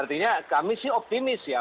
artinya kami sih optimis ya